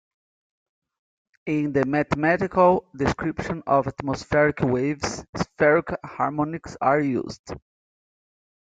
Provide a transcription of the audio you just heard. In the mathematical description of atmospheric waves, spherical harmonics are used.